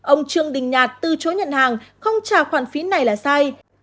ông trương đình nhạt từ chối nhận hàng không trả khoản phí này là sai